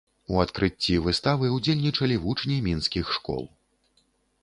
У адкрыцці выставы ўдзельнічалі вучні мінскіх школ.